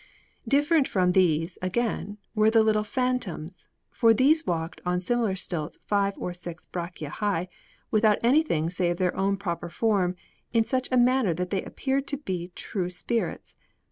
Different from these, again, were the little phantoms, for these walked on similar stilts five or six braccia high, without anything save their own proper form, in such a manner that they appeared to be true spirits.